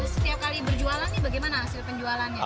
setiap kali berjualan nih bagaimana hasil penjualannya